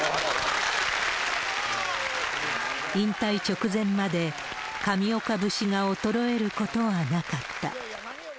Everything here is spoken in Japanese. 引退直前まで上岡節が衰えることはなかった。